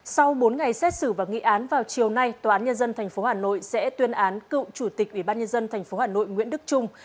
sau bốn ngày xét xử và nghị án vào chiều nay tòa án nhân dân tp hà nội sẽ tuyên án cựu chủ tịch ủy ban nhân dân tp hà nội nguyễn đức trung